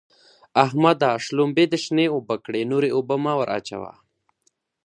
احمده! شلومبې دې شنې اوبه کړې؛ نورې اوبه مه ور اچوه.